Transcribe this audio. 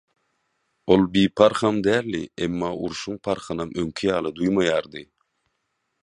Ol biparham daldi, emma urşuň parhynam öňki ýaly duýmaýardy.